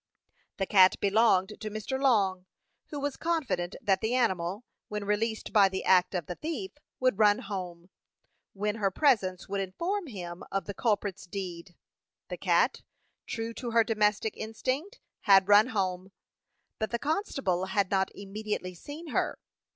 The cat belonged to Mr. Long, who was confident that the animal, when released by the act of the thief, would run home, when her presence would inform him of the culprit's deed. The cat true to her domestic instinct had run home; but the constable had not immediately seen her.